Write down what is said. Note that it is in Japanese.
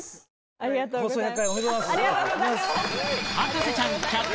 ありがとうございます。